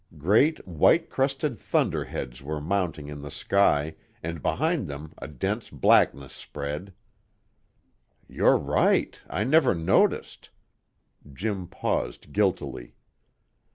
Great, white crested thunder heads were mounting in the sky, and behind them a dense blackness spread. "You're right; I never noticed " Jim paused guiltily.